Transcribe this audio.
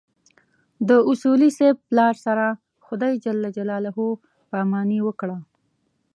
د اصولي صیب پلار سره خدای ج پاماني وکړه.